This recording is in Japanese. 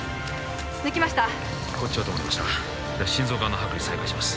抜きましたこっちは止まりましたでは心臓側の剥離再開します